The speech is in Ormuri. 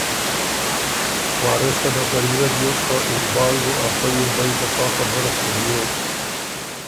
وارث خه نوکري زر بیوک خه اقبال بُو ا خوئ یِمبئ په پا خبُره ستِړيېک